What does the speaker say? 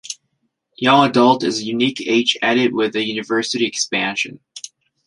Young adult is a unique age added with the "University" expansion.